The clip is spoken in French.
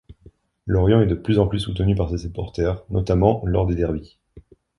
Lorient est de plus en plus soutenu par ses supporters, notamment lors des derbys.